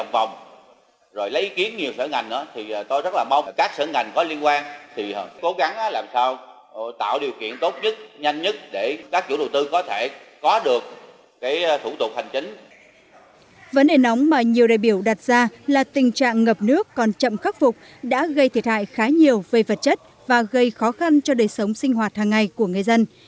vấn đề nóng mà nhiều đại biểu đặt ra là tình trạng ngập nước còn chậm khắc phục đã gây thiệt hại khá nhiều về vật chất và gây khó khăn cho đời sống của người dân